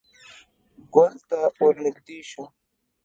_ګول ته ور نږدې شه.